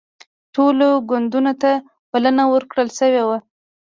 ټولو ګوندونو ته بلنه ورکړل شوې وه